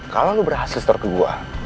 kalau lo berhasil store ke gue